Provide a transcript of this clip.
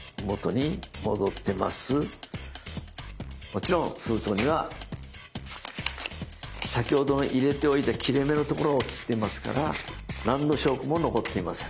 もちろん封筒には先ほどの入れておいた切れ目のところを切っていますから何の証拠も残っていません。